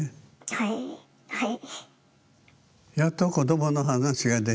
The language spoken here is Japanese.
はいはい。